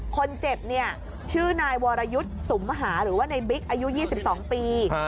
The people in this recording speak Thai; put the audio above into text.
คนเจ็บเนี่ยชื่อนายวรยุทธ์สุมหาหรือว่าในบิ๊กอายุ๒๒ปี